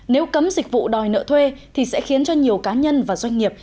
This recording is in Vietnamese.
nếu cấm dịch vụ đòi nợ thuê thì sẽ khiến cho nhiều cá nhân và doanh nghiệp